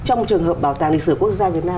trong trường hợp bảo tàng lịch sử quốc gia việt nam